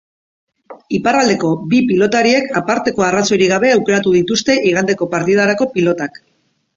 Iparraldeko bi pilotariek aparteko arazorik gabe aukeratu dituzte igandeko partidarako pilotak.